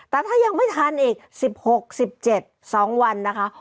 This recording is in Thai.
แต่ถ้ายังไม่ทันอีก๑๖๑๗๒วันนะคะ